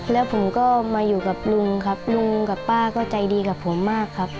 แล้วผมก็มาอยู่กับลุงครับลุงกับป้าก็ใจดีกับผมมากครับ